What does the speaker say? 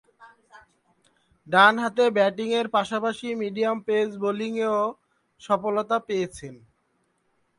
ডানহাতে ব্যাটিংয়ের পাশাপাশি মিডিয়াম-পেস বোলিংয়েও সফলতা পেয়েছেন।